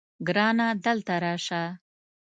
ګرانه دلته راشه